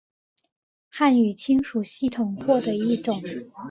汉语亲属系统或的一种。